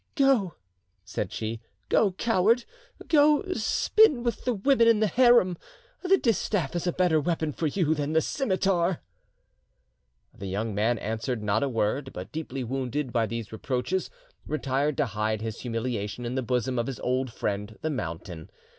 "Go!" said she, "go, coward! go spin with the women in the harem! The distaff is a better weapon for you than the scimitar!" The young man answered not a word, but, deeply wounded by these reproaches, retired to hide his humiliation in the bosom of his old friend the mountain.